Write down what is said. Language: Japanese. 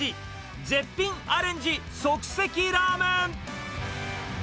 絶品アレンジ即席ラーメン。